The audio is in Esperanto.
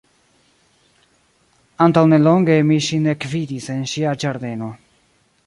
Antaŭnelonge mi ŝin ekvidis en ŝia ĝardeno.